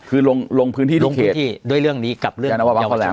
คือลงพื้นที่ด้วยเรื่องนี้กับเรื่องยาวชาติ